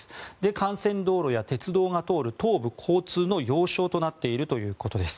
幹線道路や鉄道が通る東部交通の要衝となっているということです。